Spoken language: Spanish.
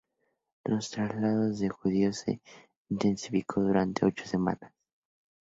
Los traslados de judíos se intensificó durante ocho semanas.